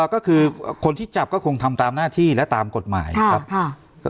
ก็คือคนที่จับก็คงทำตามหน้าที่และตามกฎหมายครับ